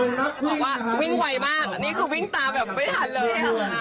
บอกว่าวิ่งไวมากนี่คือวิ่งตามแบบไม่ทันเลยค่ะ